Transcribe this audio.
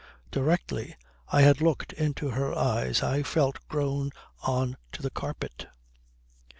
Directly I had looked into her eyes I felt grown on to the carpet."